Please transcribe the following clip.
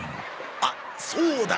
あっそうだ！